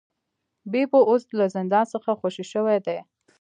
بیپو اوس له زندان څخه خوشې شوی دی.